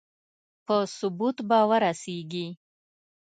په ثبوت به ورسېږي.